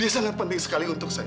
ini sangat penting sekali untuk saya